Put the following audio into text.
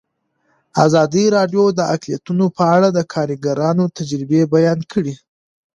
ازادي راډیو د اقلیتونه په اړه د کارګرانو تجربې بیان کړي.